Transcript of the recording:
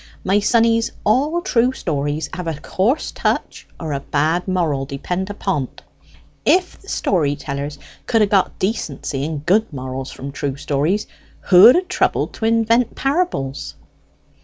My sonnies, all true stories have a coarse touch or a bad moral, depend upon't. If the story tellers could ha' got decency and good morals from true stories, who'd ha' troubled to invent parables?"